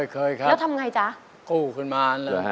เคยครับแล้วทำไงจ๊ะโอ้โฮคุณมาร